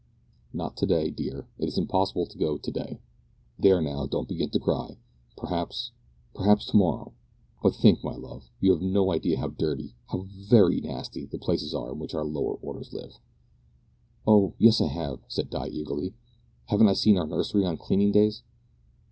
"Not to day, dear. It is impossible to go to day. There, now, don't begin to cry. Perhaps perhaps to morrow but think, my love; you have no idea how dirty how very nasty the places are in which our lower orders live." "Oh! yes I have," said Di eagerly. "Haven't I seen our nursery on cleaning days?"